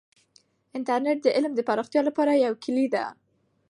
انټرنیټ د علم د پراختیا لپاره یوه کیلي ده.